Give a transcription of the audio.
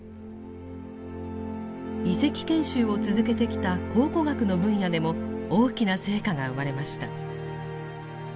遺跡研修を続けてきた考古学の分野でも大きな成果が生まれました。